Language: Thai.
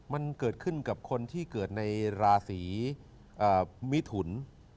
มันเกิดขึ้นกับคนที่เกิดในราศีมิถุน